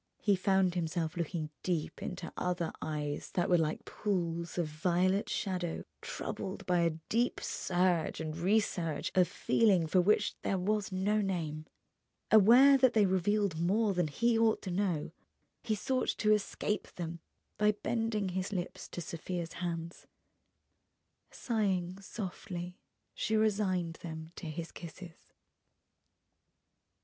He found himself looking deep into other eyes that were like pools of violet shadow troubled by a deep surge and resurge of feeling for which there was no name. Aware that they revealed more than he ought to know, he sought to escape them by bending his lips to Sofia's hands. Sighing softly, she resigned them to his kisses.